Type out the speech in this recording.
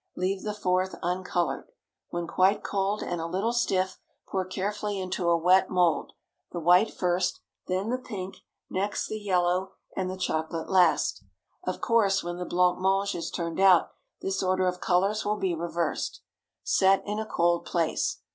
Leave the fourth uncolored. When quite cold and a little stiff, pour carefully into a wet mould—the white first; then the pink; next the yellow; and the chocolate last. Of course, when the blanc mange is turned out, this order of colors will be reversed. Set in a cold place.